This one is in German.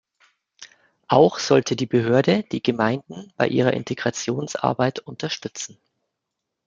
Auch sollte die Behörde die Gemeinden bei ihrer Integrationsarbeit unterstützen.